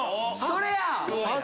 それや！